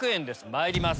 まいります